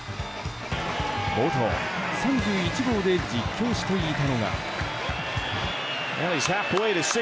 冒頭、３１号で実況していたのが。